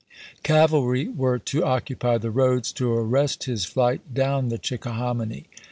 Cavalry were to occupy the roads v^.* xi.. to arrest his flight "down the Chickahominy."